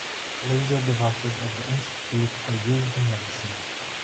Laser devices of the institute are used in medicine.